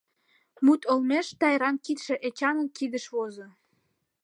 Мут олмеш Тайран кидше Эчанын кидыш возо...